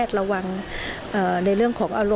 สวัสดีครับ